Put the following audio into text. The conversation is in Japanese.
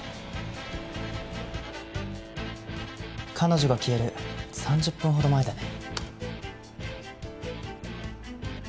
彼女が消える３０分ほど前だね。